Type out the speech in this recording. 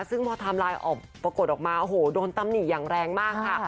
ซึ่งพอทำลายปรากฏออกมาโหโดนตำหนี่อย่างแรงมากค่ะ